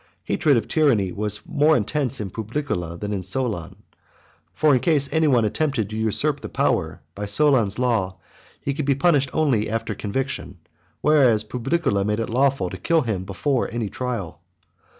Hatred of tyranny was more intense in Publicola than in Solon. For in case any one attempted to usurp the power, by Solon's law he could be punished only after conviction, whereas Publicola made it lawful to kill him before any trial.